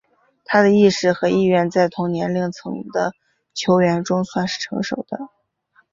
他的意识和意愿在同年龄层的球员中算是成熟的。